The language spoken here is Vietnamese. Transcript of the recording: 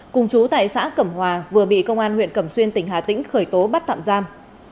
cùng chú tại xã cẩm hòa vừa bị công an huyện cẩm xuyên tỉnh hà tĩnh khởi tố bắt tạm giam